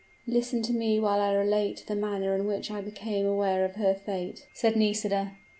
"Listen to me while I relate the manner in which I became aware of her fate," said Nisida.